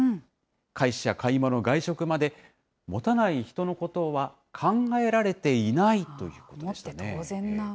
会社、買い物、外食まで、持たない人のことは考えられていないと持って当然な。